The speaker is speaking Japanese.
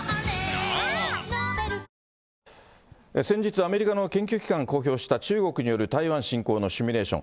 アメリカの研究機関が公表した中国による台湾侵攻のシミュレーション。